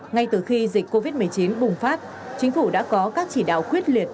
ngay từ khi dịch covid một mươi chín bùng phát chính phủ đã có các chỉ đạo quyết liệt